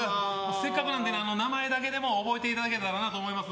せっかくなんで名前だけでも覚えていただけたらなと思います。